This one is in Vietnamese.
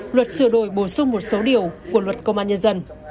luật sửa đổi bổ sung một số điều của luật công an nhân dân